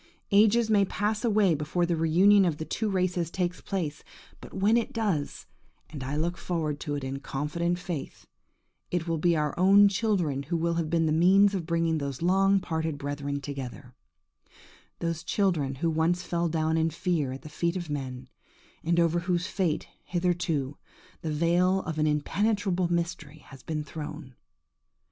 Ages may pass away before the reunion of the two races takes place, but when it does (and I look forward to it in confident faith), it will be our own children who will have been the means of bringing the long parted brethren together: those children who once fell down in fear at the feet of men, and over whose fate, hitherto, the veil of an impenetrable mystery has been thrown.